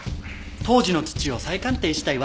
「当時の土を再鑑定したいわ！」